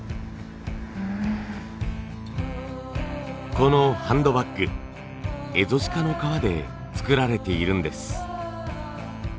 このハンドバッグエゾシカの革で作られているんです。